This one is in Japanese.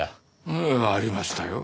ええありましたよ。